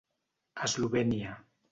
Eslovènia.